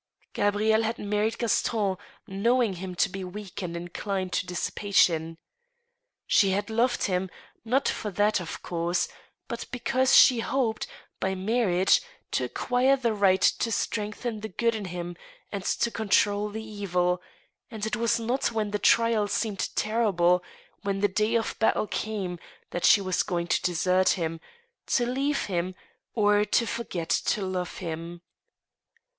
Gabrielle had married Gaston, knowing him to be weak and in clined to dissipation. She had loved him, not for that, of course, but because she hoped, by marriage, to acquire the right to . strengthen the good in him and to control the evil ; and it was not when the trial seemed terrible, when the day of battle came, that she was going to desert him, to leave him, or to forget to love him.